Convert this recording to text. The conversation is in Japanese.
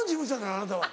あなたは。